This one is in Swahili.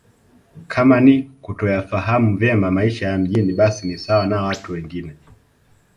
Kama ni kutoyafahamu vyema maisha ya mjini basi ni sawa na watu wengine